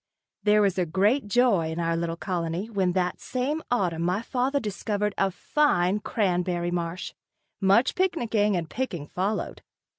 There was great joy in our little colony when that same autumn my father discovered a fine cranberry marsh. Much picnicking and picking followed.